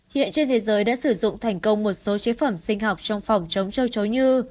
hiện trên thế giới đã sử dụng thành công một số chế phẩm sinh học trong phòng chống châu chấu như